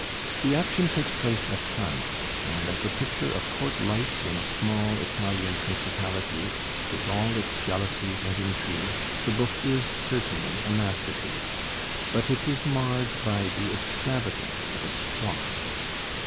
The action takes place at Parma; and as a picture of court life in a small Italian principality, with all its jealousies and intrigues, the book is certainly a masterpiece. But it is marred by the extravagance of its plot.